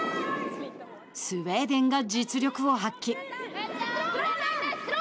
スウェーデンが実力を発揮。